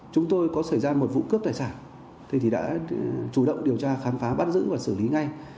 chúng tôi có xảy ra một vụ cướp tài sản thế thì đã chủ động điều tra khám phá bắt giữ và xử lý ngay